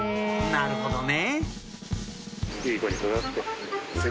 なるほどね！